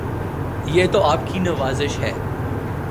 یہ تو آپ کی نوازش ہے